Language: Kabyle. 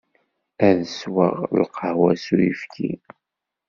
Ad sweɣ lqahwa s uyefki.